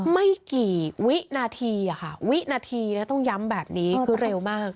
ไม่กี่วินาทีค่ะวินาทีนะต้องย้ำแบบนี้คือเร็วมาก